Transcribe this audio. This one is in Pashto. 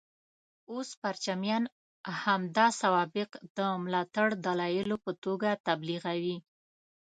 اوس پرچمیان همدا سوابق د ملاتړ دلایلو په توګه تبلیغوي.